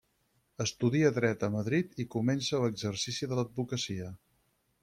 Estudia Dret en Madrid i comença l'exercici de l'advocacia.